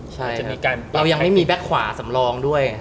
ใช่เรายังไม่มีแบ็คขวาสำรองด้วย